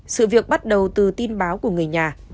sự việc bắt đầu từ tin báo của người nhà